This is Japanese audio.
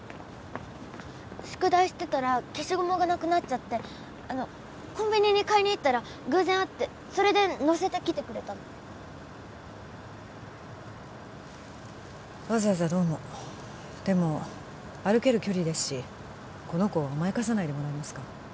宿題してたら消しゴムがなくなっちゃってあのコンビニに買いに行ったら偶然会ってそれで乗せてきてくれたのわざわざどうもでも歩ける距離ですしこの子を甘やかさないでもらえますか？